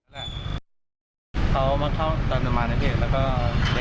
ทีมข่าวของเราได้คุยเพิ่มเติมนะคะ